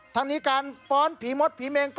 ทั้งนี้การฟ้อนผีมดผีเมง